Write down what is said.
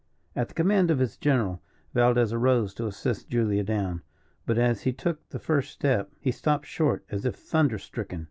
At the command of his general, Valdez arose to assist Julia down; but as he took the first step, he stopped short as if thunder stricken.